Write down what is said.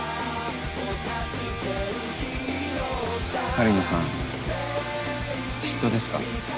狩野さん嫉妬ですか？